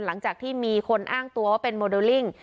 หลังจากที่มีคนอ้างตัวว่าเป็นโมเดลลิ่ง